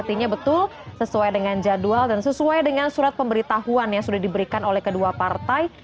artinya betul sesuai dengan jadwal dan sesuai dengan surat pemberitahuan yang sudah diberikan oleh kedua partai